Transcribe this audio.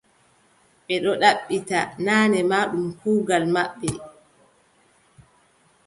Ɓe ɗon ɗaɓɓita, naane ma ɗum kuugal maɓɓe.